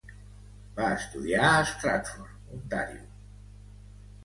Va estudiar a Stratford, Ontario.